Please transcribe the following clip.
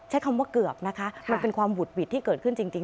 ใช้คำว่าเกือบนะคะมันเป็นความหุดหวิดที่เกิดขึ้นจริง